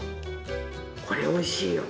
これおいしいよ。